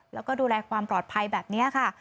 แล้วก็ดูแลความปลอดภัยแบบนี้ค่ะ